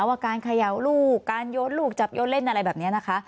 ว่าการเขย่าลูกการโยนลูกจับโยนเล่นอะไรแบบนี้นะคะ